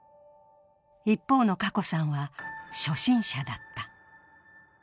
一方の華子さんは初心者だった。